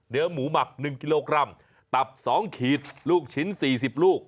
เนื้อหมูหมัก๑กิโลกรัมตับ๒ขีดลูกชิ้น๔๐ลูก